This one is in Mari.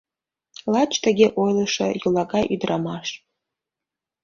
Лач тыге ойлышо — йолагай ӱдырамаш.